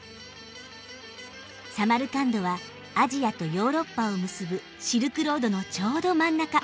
サマルカンドはアジアとヨーロッパを結ぶシルクロードのちょうど真ん中。